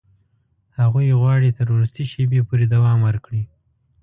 هغوی غواړي تر وروستي شېبې پورې دوام ورکړي.